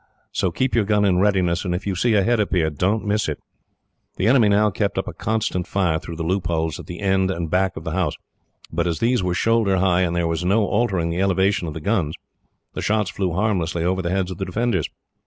So keep your gun in readiness, and if you see a head appear, don't miss it." The enemy now kept up a constant fire through the loopholes at the end and back of the house; but as these were shoulder high, and there was no altering the elevation of the guns, the shots flew harmlessly over the heads of the defenders.